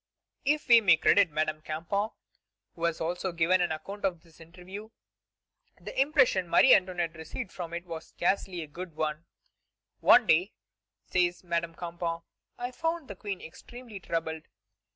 If we may credit Madame Campan, who has also given an account of this interview, the impression Marie Antoinette received from it was scarcely a good one. "One day," says Madame Campan, "I found the Queen extremely troubled.